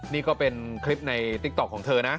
นี่ก็เป็นคลิปในติ๊กต๊อกของเธอนะ